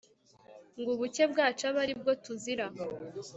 ngo ubucye bwacu abe ari bwo tuzira